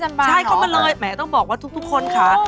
ใช่เข้ามาเลยแหมต้องบอกว่าทุกคนค่ะ